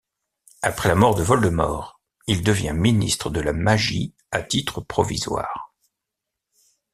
Après la mort de Voldemort, il devient ministre de la magie à titre provisoire.